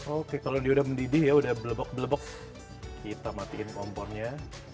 oke kalau dia udah mendidih ya udah belebek belebek kita matiin kompornya